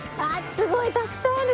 すごいたくさんある。